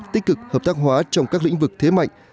tích cực hợp tác hóa trong các lĩnh vực thế mạnh